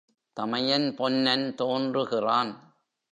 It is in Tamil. தமையன் பொன்னன் தோன்றுகிறான்.